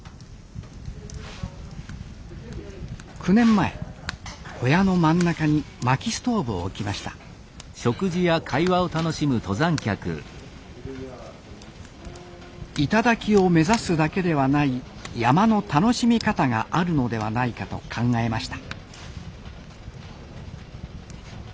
９年前小屋の真ん中に薪ストーブを置きました頂を目指すだけではない山の楽しみ方があるのではないかと考えました